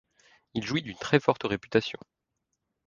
Il jouit d'une très forte réputation.